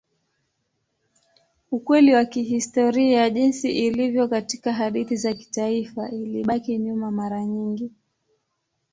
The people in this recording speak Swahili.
Ukweli wa kihistoria jinsi ilivyo katika hadithi za kitaifa ilibaki nyuma mara nyingi.